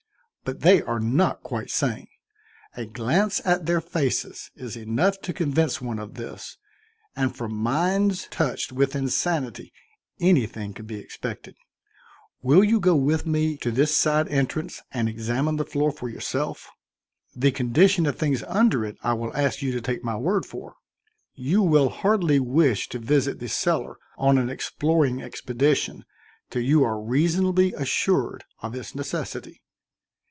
But they are not quite sane; a glance at their faces is enough to convince one of this, and from minds touched with insanity anything can be expected. Will you go with me to this side entrance and examine the floor for yourself? The condition of things under it I will ask you to take my word for; you will hardly wish to visit the cellar on an exploring expedition till you are reasonably assured of its necessity."